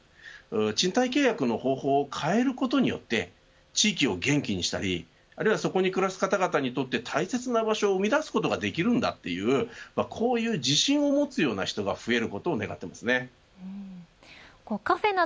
賃貸契約の方法を変えることによって地域を元気にしたり、あるいはそこに暮らす方々にとって大切な場所を生み出すことができるんだというこういう自信を持つような人が増えることを願っています。